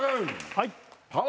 はい。